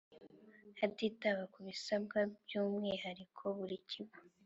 Hatitawe ku bisabwa by umwihariko buri kigo